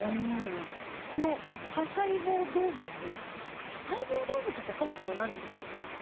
この多細胞動物多細胞動物ってそもそも何ですか？